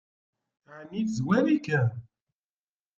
Ɛni tezwar-ikem?